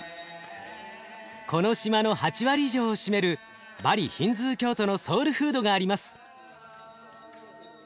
この島の８割以上を占めるバリヒンズー教徒のソウルフードがあります。